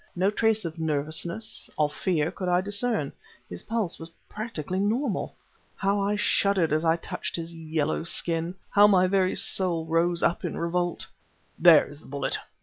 No trace of nervousness, of fear, could I discern; his pulse was practically normal. How I shuddered as I touched his yellow skin! how my very soul rose up in revolt! ..."There is the bullet!